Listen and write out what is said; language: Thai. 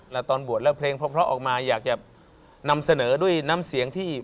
แล้วตอนบวชแล้วเพลงเพราะออกมาอยากจะนำเสนอด้วยน้ำเสียงที่